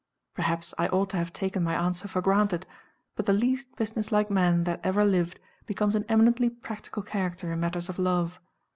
Perhaps I ought to have taken my answer for granted; but the least business like man that ever lived becomes an eminently practical character in matters of love.